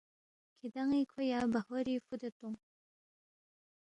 کِھدان٘ی کھو یا بہوری فُودے تونگ